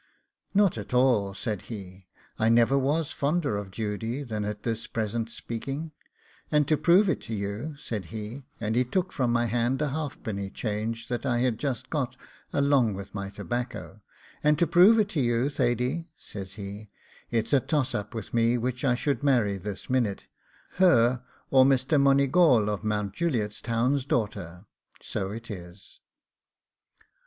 'Not at all,' said he; 'I never was fonder of Judy than at this present speaking; and to prove it to you,' said he and he took from my hand a halfpenny change that I had just got along with my tobacco 'and to prove it to you, Thady,' says he, 'it's a toss up with me which I should marry this minute, her or Mr. Moneygawl of Mount Juliet's Town's daughter so it is.